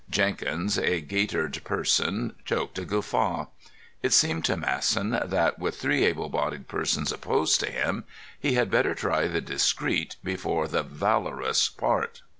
Jenkins, a gaitered person, choked a guffaw. It seemed to Masson that, with three able bodied persons opposed to him, he had better try the discreet before the valorous part.